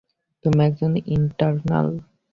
তুমি একজন ইটারনাল।